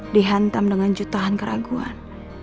dihantam dengan jutaan keraguan